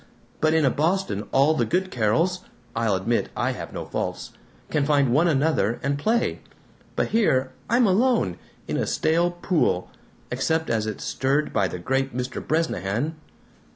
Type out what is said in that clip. But in a Boston all the good Carols (I'll admit I have no faults) can find one another and play. But here I'm alone, in a stale pool except as it's stirred by the great Mr. Bresnahan!"